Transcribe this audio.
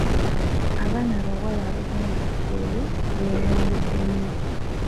Abaana abawala abagenda ku kyeyo beeyongedde nnyo.